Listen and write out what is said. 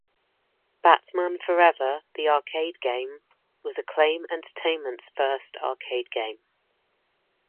"Batman Forever: The Arcade Game" was Acclaim Entertainment's first arcade game.